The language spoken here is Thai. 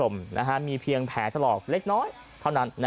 มีเพียงแผลถลอกเล็กน้อยเท่านั้น